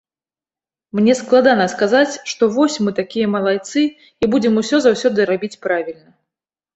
Мне складана сказаць, што вось, мы такія малайцы, і будзем усё заўсёды рабіць правільна.